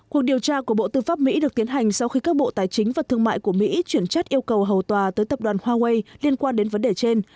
cuộc điều tra của bộ tư pháp mỹ được tiến hành sau khi các bộ tài chính và thương mại của mỹ chuyển chất yêu cầu hầu tòa tới tập đoàn huawei liên quan đến vấn đề trên